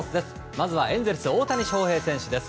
まずはエンゼルス大谷翔平選手です。